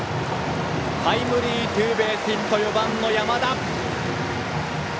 タイムリーツーベースヒット４番の山田！